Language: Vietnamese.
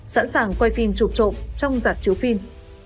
sẵn sàng quay phim chụp trộm trong giặt chiếu phim